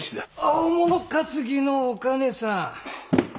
青物担ぎのおかねさん。